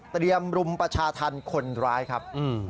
เตรียมรุมประชาธารณ์คนร้ายครับ